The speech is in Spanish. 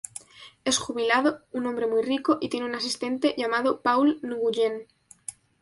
Es jubilado, un hombre muy rico y tiene un asistente llamado Paul N’Guyen.